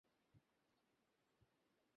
হয়তো ব্যাপারটা দর্শনের ওপরই নির্ভর করে।